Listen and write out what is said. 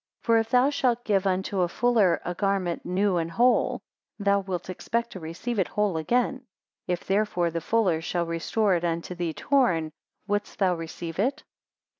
For if thou shalt give unto a fuller a garment new and whole, thou wilt expect to receive it whole again; if therefore the fuller shall restore it unto thee torn, wouldst thou receive it?